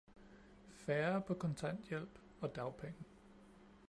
Færre er på kontanthjælp og dagpenge.